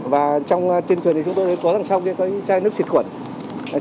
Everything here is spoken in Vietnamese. và trên thuyền thì chúng tôi có lăng xong chai nước xịt khuẩn